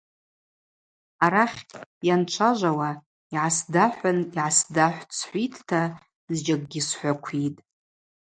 Арахь, йанчважвауа – Йгӏасдахӏвын йгӏасдахӏвтӏ – схӏвитӏта зджьакӏгьи схӏваквитӏ.